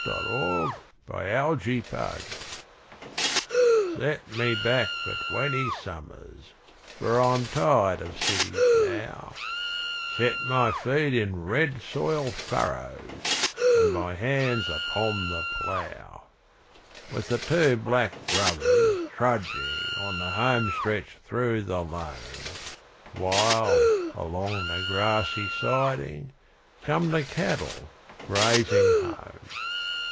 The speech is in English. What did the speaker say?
THE SHAKEDOWN ON THE FLOOR Set me back for twenty summers For I'm tired of cities now Set my feet in red soil furrows And my hands upon the plough, With the two 'Black Brothers' trudging On the home stretch through the loam While, along the grassy siding, Come the cattle grazing home.